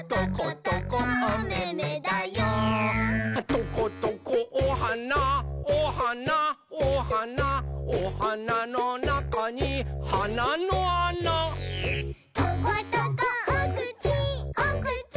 「トコトコおはなおはなおはなおはなのなかにはなのあな」「トコトコおくちおくち